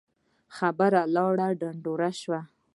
خبره لاړه ډنډوره شوه.